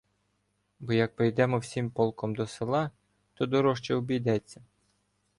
— Бо як прийдемо всім полком до села, то дорожче обійдеться.